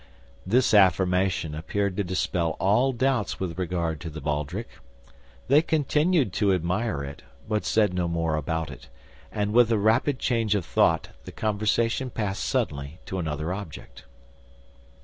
This affirmation appeared to dispel all doubts with regard to the baldric. They continued to admire it, but said no more about it; and with a rapid change of thought, the conversation passed suddenly to another subject.